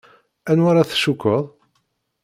Anwa ara tcukkeḍ?